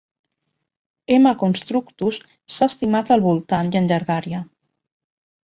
"M. constructus" s'ha estimat al voltant i en llargària.